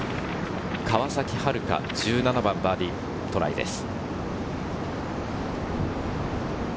川崎春花の１７番、バーディートライです。